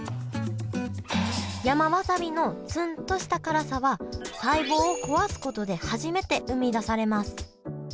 山わさびのツンとした辛さは細胞を壊すことで初めて生み出されます